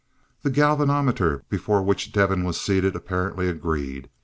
The galvanometer before which Devin was seated apparently agreed.